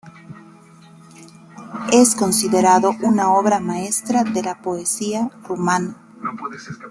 Es considerado una obra maestra de la poesía rumana.